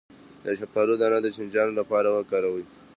د شفتالو دانه د چینجیانو لپاره وکاروئ